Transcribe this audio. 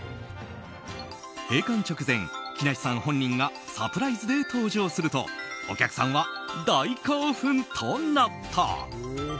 閉館直前、木梨さん本人がサプライズで登場するとお客さんは大興奮となった。